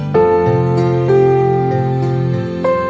สำคัญพูดความรัก